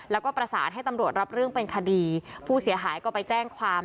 แล้วก็ประสานให้ตำรวจรับเรื่องเป็นคดีผู้เสียหายก็ไปแจ้งความ